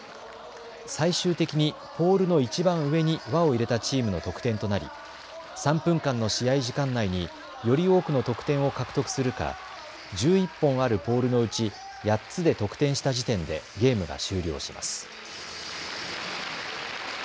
最終的にポールのいちばん上に輪を入れたチームの得点となり３分間の試合時間内により多くの得点を獲得するか、１１本あるポールのうち８つで得点した時点でゲームが終了します。